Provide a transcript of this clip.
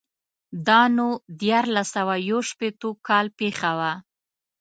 دا نو دیارلس سوه یو شپېتو کال پېښه وه.